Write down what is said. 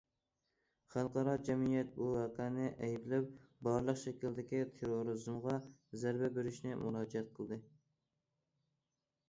خەلقئارا جەمئىيەت بۇ ۋەقەنى ئەيىبلەپ: بارلىق شەكىلدىكى تېررورىزمغا زەربە بېرىشنى مۇراجىئەت قىلدى.